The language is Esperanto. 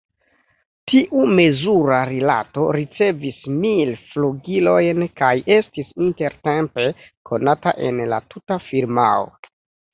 Tiu mezura rilato ricevis mil flugilojn kaj estis intertempe konata en la tuta firmao.